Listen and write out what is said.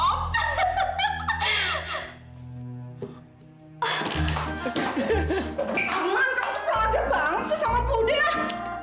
mas kamu tuh kurang ajar banget sih sama buddha